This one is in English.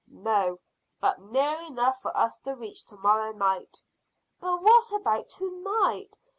"No; but near enough for us to reach to morrow night." "But what about to night?